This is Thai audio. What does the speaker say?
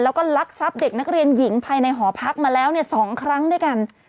แล้วก็ลักทรัพย์เด็กนักเรียนหญิงภายในหอพักมาแล้ว๒ครั้งด้วยกัน